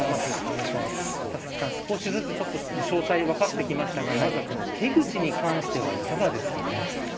少しずつ詳細が分かってきましたがまず手口に関してはいかがですか。